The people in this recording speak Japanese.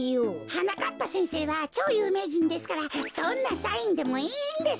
はなかっぱせんせいはちょうゆうめいじんですからどんなサインでもいいんです。